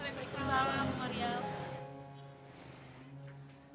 waalaikumsalam bu mariam